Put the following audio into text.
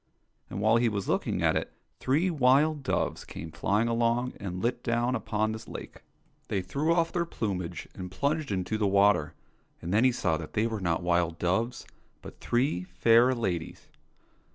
And while he was looking at it, three wild doves came flying along and lit down upon this lake. They threw off their plumage and plunged into the water, and then he saw that they were not wild doves, but three fair ladies.